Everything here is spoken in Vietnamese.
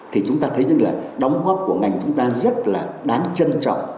thì chúng ta thấy rằng là đóng góp của ngành chúng ta rất là đáng chân